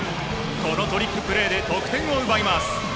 このトリックプレーで得点を奪います。